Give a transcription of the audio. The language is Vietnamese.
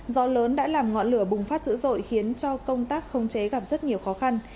gió lớn đã làm ngọn lửa bùng phát dữ dội khiến cho công tác không chế gặp rất nhiều khó khăn